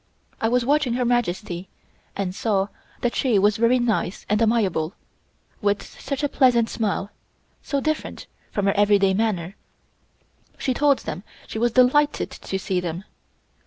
I was watching Her Majesty and saw that she was very nice and amiable, with such a pleasant smile so different from her everyday manner. She told them she was delighted to see them.